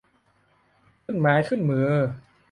ขึ้นไม้ขึ้นมือ